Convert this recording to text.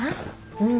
うん。